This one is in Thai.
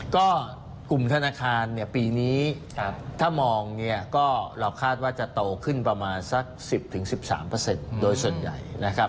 กลุ่มธนาคารปีนี้ถ้ามองก็เราคาดว่าจะโตขึ้นประมาณสัก๑๐๑๓โดยส่วนใหญ่